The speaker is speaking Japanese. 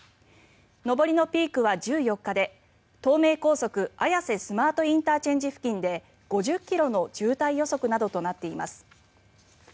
上りのピークは１４日で東名高速綾瀬スマートＩＣ付近で５０ｋｍの渋滞予測などとなっています。